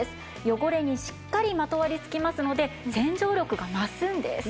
汚れにしっかりまとわりつきますので洗浄力が増すんです。